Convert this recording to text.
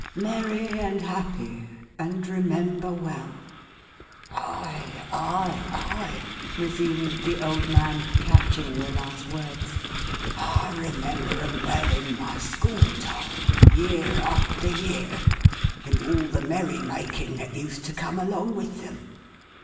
" Merry and happy — and remember well !" "Ay, ay, ay!" resumed the old man, catching the last words. " I remember 'em well in my school time, year after year, and all the merry making that used to come along with them.